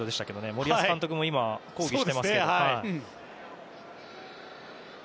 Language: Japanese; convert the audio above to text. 森保監督も今、抗議してますけど。